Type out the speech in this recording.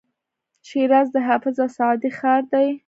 شیراز د حافظ او سعدي ښار دی.